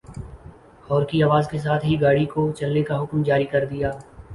اور کی آواز کے ساتھ ہی گاڑی کو چلنے کا حکم جاری کر دیا ۔